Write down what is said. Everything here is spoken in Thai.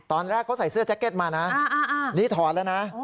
ตอนแรกเขาใส่เสื้อแจ็คเก็ตมานะนี่ถอดแล้วนะ